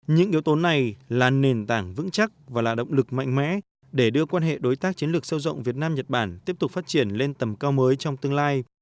những yếu tố này là nền tảng vững chắc và là động lực mạnh mẽ để đưa quan hệ đối tác chiến lược sâu rộng việt nam nhật bản tiếp tục phát triển lên tầm cao mới trong tương lai